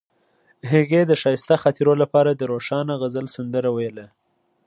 هغې د ښایسته خاطرو لپاره د روښانه غزل سندره ویله.